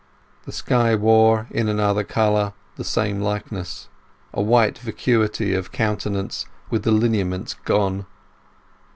The sky wore, in another colour, the same likeness; a white vacuity of countenance with the lineaments gone.